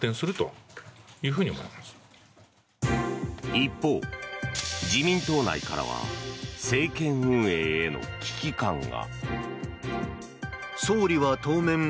一方、自民党内からは政権運営への危機感が。